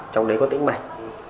trong đấy có tĩnh mạch